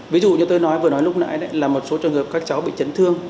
ví dụ như tôi nói vừa nói lúc nãy là một số trường hợp các cháu bị chấn thương